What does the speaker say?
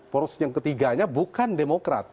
poros yang ketiganya bukan demokrat